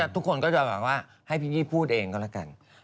ทุกคนก็จะแบบว่าให้พี่กี้พูดเองก็แล้วกัน